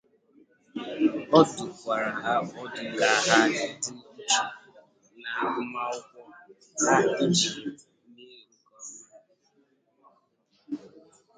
Ọ dụkwara ha ọdụ ka ha dị uchu n'agụmakwụkwọ ha iji mee nke ọma